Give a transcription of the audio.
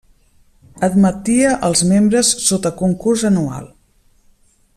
Admetia els membres sota concurs anual.